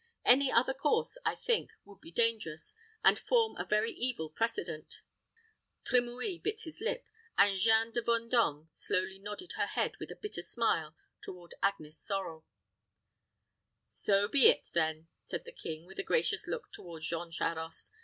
Any other course, I think, would be dangerous, and form a very evil precedent." Trimouille bit his lip, and Jeanne de Vendôme slowly nodded her head, with a bitter smile, toward Agnes Sorel. "So be it, then," said the king, with a gracious look toward Jean Charost.